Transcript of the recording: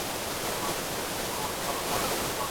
¬ د زورور له څنگه مه کښېنه زړه وره.